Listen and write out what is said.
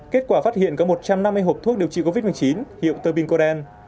kết quả phát hiện có một trăm năm mươi hộp thuốc điều trị covid một mươi chín hiệu tơ binh cô đen